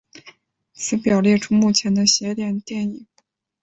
此表列出目前的邪典电影。